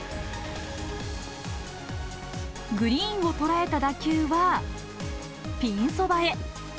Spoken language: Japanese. グリーンを捉えた打球はピンそばへ。